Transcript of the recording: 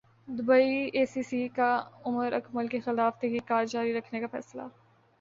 Dubai I C C کا عمراکمل کیخلاف تحقیقات جاری رکھنے کا فیصلہ